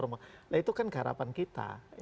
nah itu kan keharapan kita